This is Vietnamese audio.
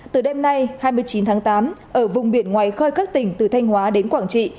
từ đêm nay hai mươi chín tháng tám ở vùng biển ngoài khơi các tỉnh từ thanh hóa đến quảng trị